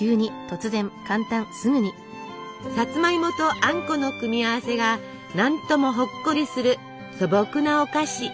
さつまいもとあんこの組み合わせが何ともほっこりする素朴なお菓子。